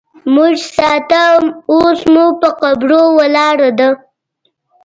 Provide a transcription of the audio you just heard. مونږ ساتله اوس مو په قبرو ولاړه ده